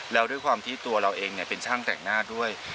แล้วด้วยความที่ตัวเราเองเป็นช่างแต่งหน้าด้วย